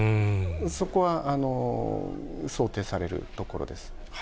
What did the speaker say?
そこは想定されるところです。